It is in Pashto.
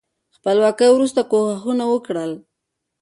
خپلواکۍ وروسته کوښښونه وکړل.